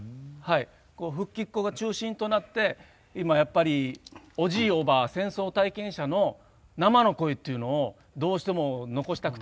「復帰っ子」が中心となって今、おじい、おばあ戦争体験者の生の声っていうのをどうしても残したくて。